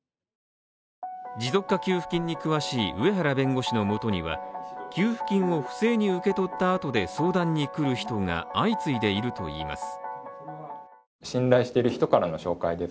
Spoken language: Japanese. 持続化給付金に詳しい上原弁護士のもとには給付金を不正に受け取ったあとで相談に来る人が相次いでいるといいます。